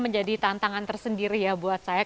menjadi tantangan tersendiri ya buat saya